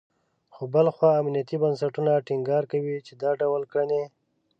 خو بل خوا امنیتي بنسټونه ټینګار کوي، چې دا ډول کړنې …